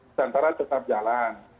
nusantara tetap jalan